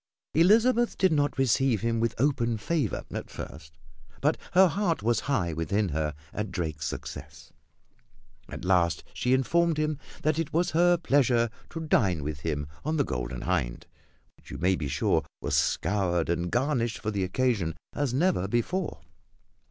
Elizabeth did not receive him with open favor at first; but her heart was high within her at Drake's success. At last she informed him that it was her pleasure to dine with him on the Golden Hind, which you may be sure was scoured and garnished for the occasion as never before.